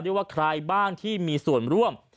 ได้ว่าใครบ้างที่มีส่วนร่วม